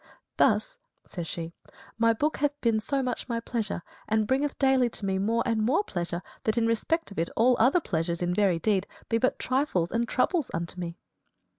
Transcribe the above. "Thus," says she, "my book hath been so much my pleasure, and bringeth daily to me more and more pleasure, that in respect of it all other pleasures in very deed be but trifles and troubles unto me."